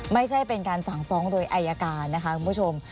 ไม่ใช่เป็นการสั่งฟ้องโดยอายการนะคะคุณผู้ชม